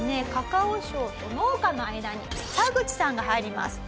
カカオ省と農家の間にタグチさんが入ります。